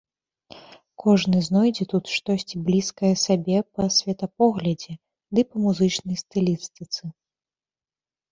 Кожны знойдзе тут штосьці блізкае сабе па светапоглядзе ды па музычнай стылістыцы.